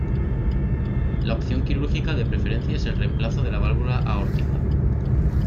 La opción quirúrgica de preferencia es el reemplazo de la válvula aórtica.